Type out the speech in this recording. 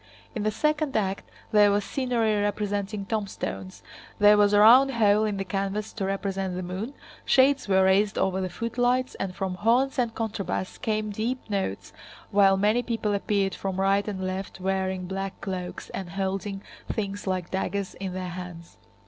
In the second act there was scenery representing tombstones, there was a round hole in the canvas to represent the moon, shades were raised over the footlights, and from horns and contrabass came deep notes while many people appeared from right and left wearing black cloaks and holding things like daggers in their hands.